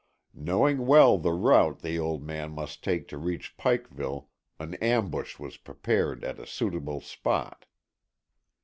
Knowing well the route the old man must take to reach Pikeville, an ambush was prepared at a suitable spot.